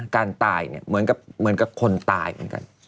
การตายเนี่ยเหมือนกับคนตายเหมือนกัน